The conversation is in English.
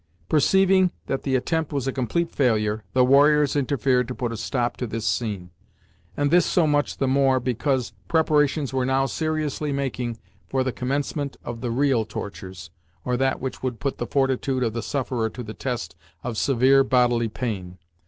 Perceiving that the attempt was a complete failure, the warriors interfered to put a stop to this scene, and this so much the more because preparations were now seriously making for the commencement of the real tortures, or that which would put the fortitude of the sufferer to the test of severe bodily pain.